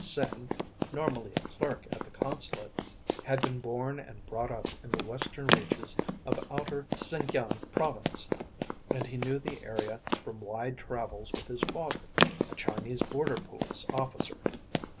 Sing, normally a clerk at the consulate, had been born and brought up in the western reaches of outer Sinkiang Province, and he knew the area from wide travels with his father, a Chinese border police officer.